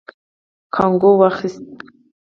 کانګو واخيست.